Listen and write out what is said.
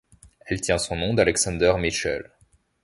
Elle tient son nom d'Alexander Mitchell.